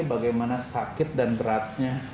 bagaimana sakit dan beratnya